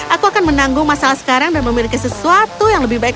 aku akan menanggung masalah sekarang dan memiliki sesuatu yang lebih baik